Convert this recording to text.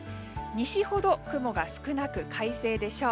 西ほど雲が少なく快晴でしょう。